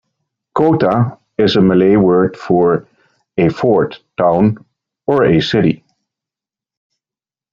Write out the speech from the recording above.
"Kota" is a Malay word for a "fort", "town", or a "city".